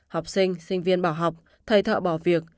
học sinh sinh viên bỏ học thầy thợ bỏ việc